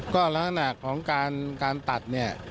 ก็ลักษณะของการตัด